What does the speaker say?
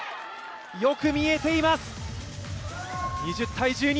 よく見えています。